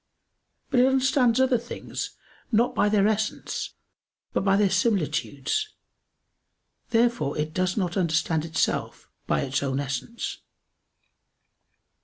But it understands other things, not by their essence, but by their similitudes. Therefore it does not understand itself by its own essence.